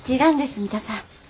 三田さん。